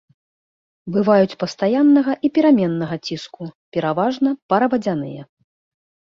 Бываюць пастаяннага і пераменнага ціску, пераважна паравадзяныя.